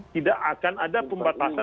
tidak akan ada pembatasan